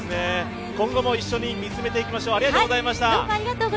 今後も一緒に見つめていきましょう。